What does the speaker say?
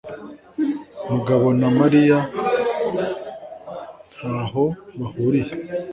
mugabona Mariya ntaho bahuriye